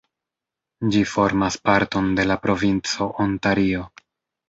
Ĝi formas parton de la provinco Ontario.